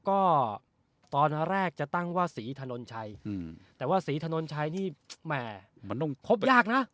ก็ตอนแรกจะตั้งว่าศรีถนนชัยแต่ว่าศรีถนนชัยนี่แหม่มันต้องพบยากนะ